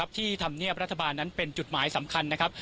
ที่ธรรมเนียบรัฐบาลนั้นเป็นจุดหมายสำคัญนะครับ